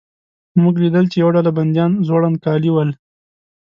موږ لیدل چې یوه ډله بندیان زوړند کالي ول.